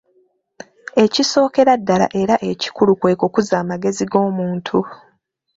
Ekisookera ddala era ekikulu kwe kukuza amagezi g'omuntu.